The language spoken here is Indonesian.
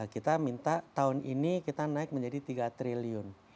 kita minta tahun ini kita naik menjadi tiga triliun